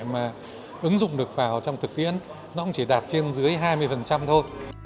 mà ứng dụng được vào trong thực tiễn nó cũng chỉ đạt trên dưới hai mươi thôi